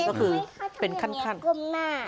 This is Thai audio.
ก็คือเป็นขั้นเจนให้เขาทำอย่างนี้ก้มหน้า